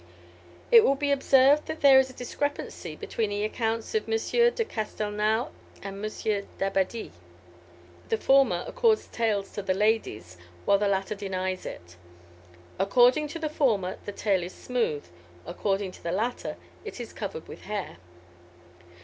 It will be observed that there is a discrepancy between the accounts of M. de Castelnau and M. d'Abbadie. The former accords tails to the ladies, whilst the latter denies it. According to the former, the tail is smooth; according to the latter, it is covered with hair.